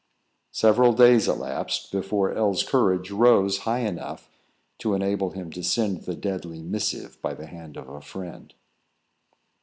Several days elapsed before L 's courage rose high enough to enable him to send the deadly missive by the hand of a friend.